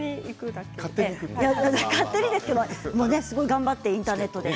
頑張ってインターネットで。